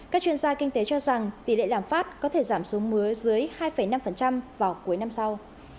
các chuyên gia kinh tế cho rằng tỷ lệ lạm phát có thể giảm xuống mứa dưới hai năm vào cuối năm sau